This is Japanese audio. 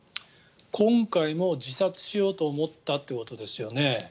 今回も自殺しようと思ったということですよね。